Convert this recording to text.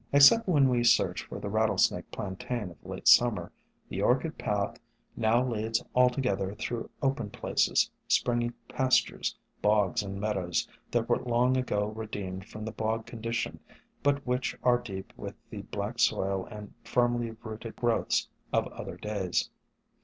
Except when we search for the Rattlesnake Plantain of late Summer, the Orchid path now leads altogether through open places, — springy pastures, bogs and meadows, that were long ago redeemed from the bog condition but which are deep with the black soil and firmly rooted growths of other days.